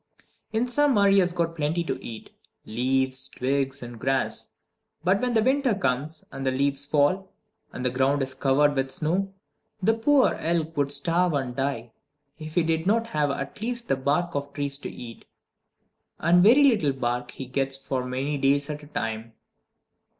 In summer he has plenty to eat leaves, twigs, and grass. But when the winter comes, and the leaves fall, and the ground is covered with snow, the poor elk would starve and die, if he did not have at least the bark of trees to eat. And very little bark he gets for many days at a time.